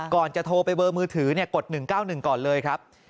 จะโทรไปเบอร์มือถือกด๑๙๑ก่อนเลยครับ